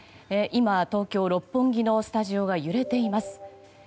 今、東京・六本木のスタジオが揺れています。